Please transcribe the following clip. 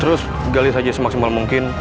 terus gali saja semaksimal mungkin